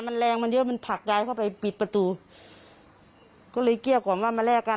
มันแรงมันเยอะมันผลักยายเข้าไปปิดประตูก็เลยเกลี้ยกล่อมว่ามาแลกกัน